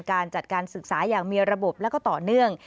การจัดการศึกษาอย่างมีระบบแล้วก็ต่อเนื่อง